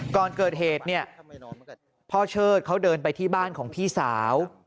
ก่อนเกิดเหตุเนี่ยพ่อเชิดเขาเดินไปที่บ้านของพี่สาว